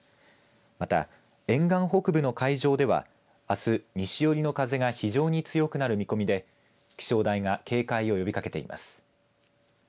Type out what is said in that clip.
また、沿岸北部の海上ではあす、西寄りの風が非常に強くなる見込みで気象台が警戒を呼びかけています。